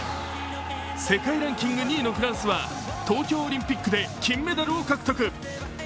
世界ランキング２位のフランスは東京オリンピックで金メダルを獲得。